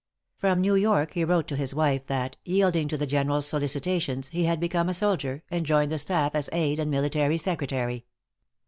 From New York he wrote to his wife that, yielding to the General's solicitations, he had become a soldier, and joined the staff as Aid, and Military Secretary.